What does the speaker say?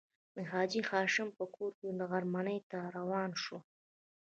د حاجي هاشم په کور کې غرمنۍ ته روان شوو.